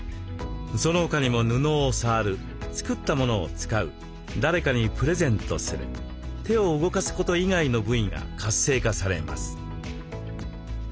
その他にも布を触る作ったものを使う誰かにプレゼントする手を動かすこと以外の部位が活性化されます。